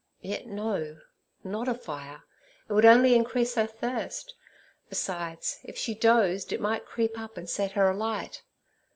Yet no, not a fire: it would only increase her thirst. Besides, if she dozed, it might creep up and set her alight.